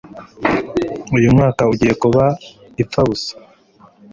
uyu mwaka ugiye kuba impfa busa